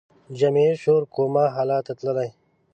جمعي شعور کوما حالت ته تللی